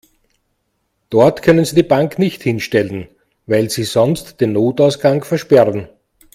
Dort können Sie die Bank nicht hinstellen, weil Sie sonst den Notausgang versperren.